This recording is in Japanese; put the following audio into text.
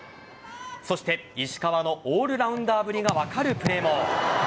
そして、石川のオールラウンダーぶりが分かるプレーも。